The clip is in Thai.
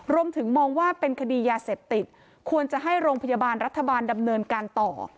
รวมถึงมองว่าเป็นคดียาเสพติดควรจะให้โรงพยาบาลรัฐบาลดำเนินการต่อ